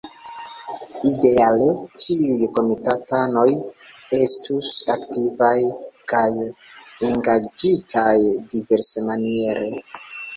Ideale, ĉiuj komitatanoj estus aktivaj kaj engaĝitaj diversmaniere.